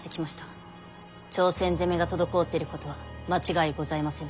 朝鮮攻めが滞っていることは間違いございませぬ。